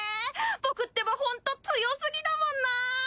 僕ってばホント強すぎだもんな！